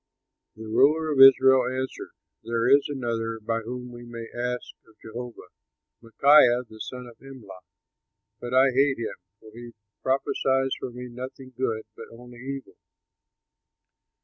The ruler of Israel answered, "There is another by whom we may ask of Jehovah, Micaiah, the son of Imlah, but I hate him; for he prophesies for me nothing good, but only evil."